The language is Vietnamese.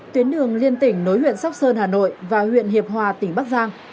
tuyến đường liên tỉnh nối huyện sóc sơn hà nội và huyện hiệp hòa tỉnh bắc giang